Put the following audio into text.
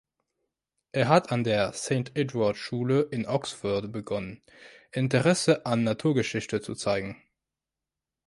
Er hat an der Saint-Edward-Schule in Oxford begonnen, Interesse an Naturgeschichte zu zeigen.